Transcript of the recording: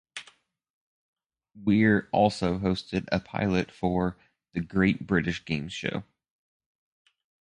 Weir also hosted a pilot for "The Great British Game Show".